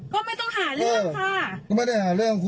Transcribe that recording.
ไม่ไปก็คือไม่ไปก็ไม่ต้องหาเรื่องค่ะ